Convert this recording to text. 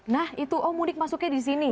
nah itu mudik masuknya di sini ya